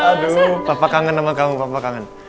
aduh papa kangen sama kamu bapak kangen